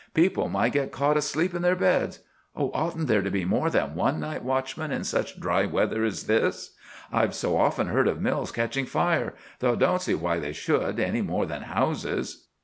People might get caught asleep in their beds. Oughtn't there to be more than one night watchman in such dry weather as this? I've so often heard of mills catching fire—though I don't see why they should, any more than houses."